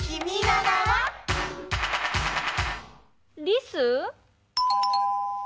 リス？